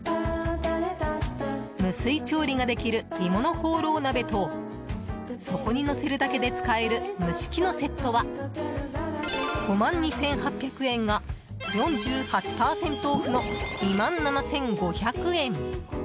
無水調理ができる鋳物ホーロー鍋とそこに乗せるだけで使える蒸し器のセットは５万２８００円が４８％オフの２万７５００円。